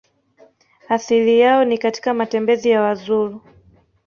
Asili yao ni katika matembezi ya Wazulu